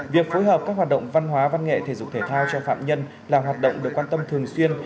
việc phối hợp các hoạt động văn hóa văn nghệ thể dục thể thao cho phạm nhân là hoạt động được quan tâm thường xuyên